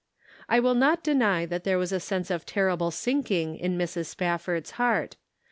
I will not denj7 that there was a sense of terrible sinking in Mrs. Spafford's heart.